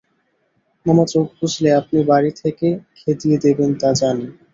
মামা চোখ বুজলে আপনি বাড়ি থেকে খেদিয়ে দেবেন তা জানি।